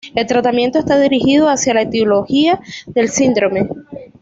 El tratamiento está dirigido hacia la etiología del síndrome.